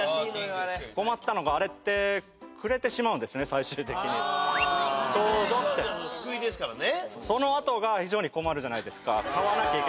最終的に「どうぞ」ってすくいですからね